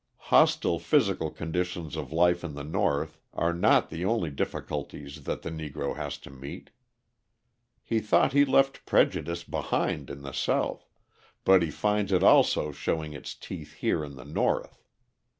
Hostile physical conditions of life in the North are not the only difficulties that the Negro has to meet. He thought he left prejudice behind in the South, but he finds it also showing its teeth here in the North.